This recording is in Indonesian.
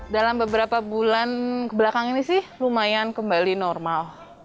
dalam beberapa bulan kebelakang ini sih lumayan kembali normal